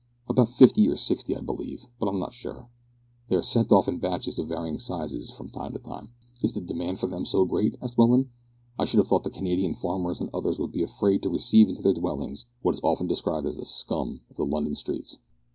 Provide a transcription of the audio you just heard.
"About fifty or sixty, I believe, but I'm not sure. They are sent off in batches of varying size from time to time." "Is the demand for them so great?" asked Welland, "I should have thought that Canadian farmers and others would be afraid to receive into their dwellings what is often described as the scum of the London streets."